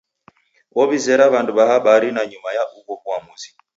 Ow'izera w'andu w'a habari nanyuma ya ugho w'uamuzi.